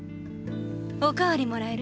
おかわりもらえる？